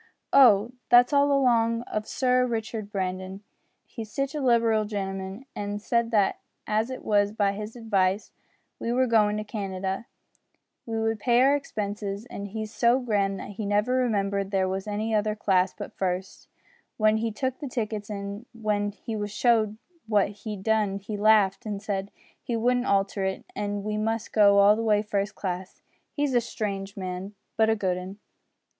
"Oh! that's all along of Sir Richard Brandon. He's sitch a liberal gentleman, an' said that as it was by his advice we were goin' to Canada, he would pay our expenses; and he's so grand that he never remembered there was any other class but first, when he took the tickets, an' when he was show'd what he'd done he laughed an' said he wouldn't alter it, an' we must go all the way first class. He's a strange man, but a good 'un!"